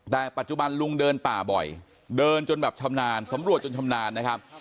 แต่ปัจจุบันลุงเดินป่าบ่อยเดินจนแบบชำนาญสำรวจจนชำนาญนะครับ